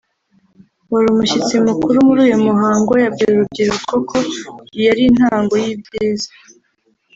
wari umushyitsi mukuru muri uyu muhango yabwiye uru rubyiruko ko iyi ari intango y’ibyiza